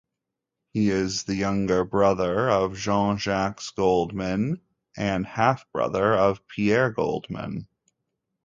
He is the younger brother of Jean-Jacques Goldman and half-brother of Pierre Goldman.